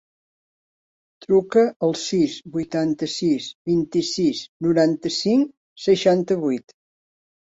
Truca al sis, vuitanta-sis, vint-i-sis, noranta-cinc, seixanta-vuit.